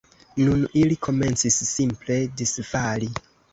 Nun ili komencis simple disfali.